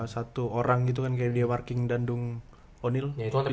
satu orang gitu kan kayak dia marking dandung o neal